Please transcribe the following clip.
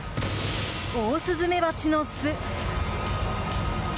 オオスズメバチの巣。